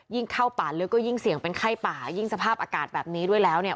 เข้าป่าลึกก็ยิ่งเสี่ยงเป็นไข้ป่ายิ่งสภาพอากาศแบบนี้ด้วยแล้วเนี่ย